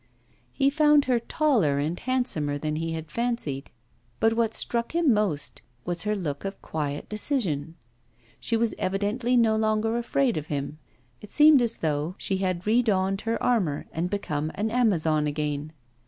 He found her taller and handsomer than he had fancied. But what struck him most was her look of quiet decision. She was evidently no longer afraid of him. It seemed as though she had re donned her armour and become an amazon again.